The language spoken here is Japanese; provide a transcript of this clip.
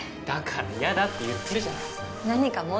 だから嫌だって言ってるじゃないですか。